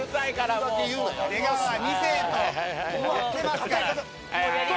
出川２世と言ってますから。